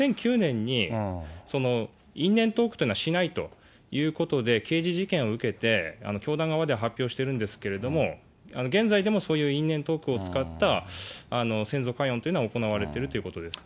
その２００９年に因縁トークっていうのはしないということで、刑事事件を受けて、教団側では発表しているんですけれども、現在でもそういう因縁を使った先祖開運というのは行われているということです。